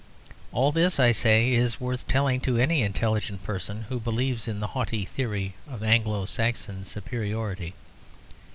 All this, I say, is worth telling to any intelligent person who believes in the haughty theory of Anglo Saxon superiority.